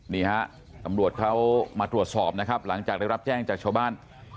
นี่ฮะตำรวจเขามาตรวจสอบนะครับหลังจากได้รับแจ้งจากชาวบ้าน